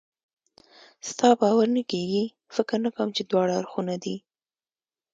ستا باور نه کېږي؟ فکر نه کوم چې دواړه اړخونه دې.